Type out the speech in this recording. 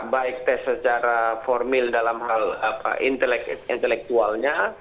baik tes secara formil dalam hal intelektualnya